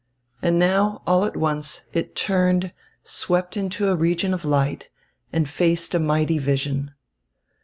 And now, all at once, it turned, swept into a region of light, and faced a mighty vision.